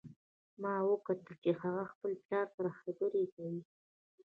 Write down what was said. ما وکتل چې هغه خپل پلار سره خبرې کوي